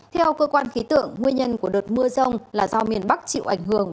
theo cơ quan khí tượng nguyên nhân của đợt mưa rông là do miền bắc chịu ảnh hưởng